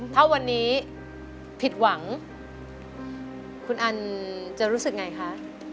ถ้าวันนี้ผิดหวังคุณอันจะรู้สึกไงคะ